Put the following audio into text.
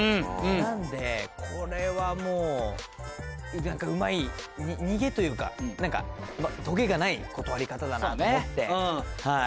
なのでこれはもう何かうまい逃げというか何かとげがない断り方だなと思ってはい。